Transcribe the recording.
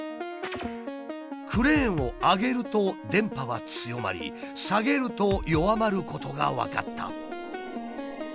クレーンを上げると電波は強まり下げると弱まることが分かった。